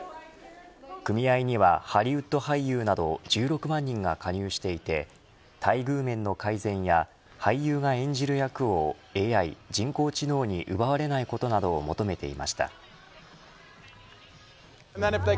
組合には、ハリウッド俳優など１６万人が加入していて待遇面の改善や俳優が演じる役をＡＩ人工知能に奪われないことなどを求めていました。